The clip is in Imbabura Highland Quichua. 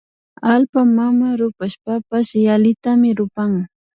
Allpa mama rupashpapash yallitami rupan